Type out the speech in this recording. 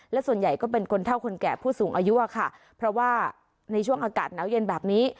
และส่วนใหญ่ก็เป็นคนเท่าคนแก่ผู้สูงอายุอะค่ะเพราะว่าในช่วงอากาศหนาวเย็นแบบนี้